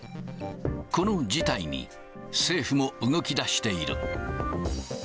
この事態に、政府も動きだしている。